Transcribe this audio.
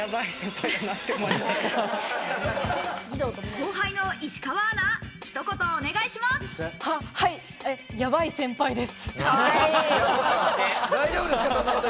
後輩の石川アナ、ひと言お願ヤバい先輩です。